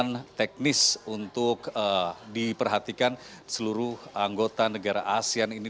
yang teknis untuk diperhatikan seluruh anggota negara asean ini